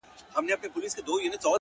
هغې به تکه سپينه خوله باندې روژه راوړې-